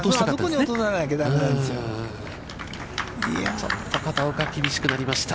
ちょっと片岡、厳しくなりました。